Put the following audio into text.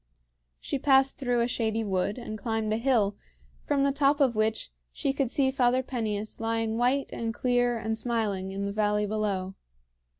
She passed through a shady wood and climbed a hill, from the top of which she could see Father Peneus lying white and clear and smiling in the valley below.